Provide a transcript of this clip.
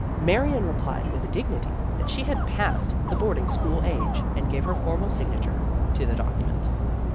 Marion replied with dignity that she had passed the boarding school age, and gave her formal signature to the document.